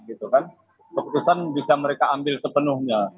itu kan keputusan bisa mereka ambil sepenuhnya